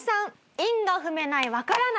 韻が踏めないわからない。